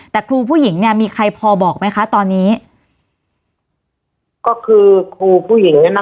แต่ครูผู้หญิงเนี่ยมีใครพอบอกไหมคะตอนนี้ก็คือครูผู้หญิง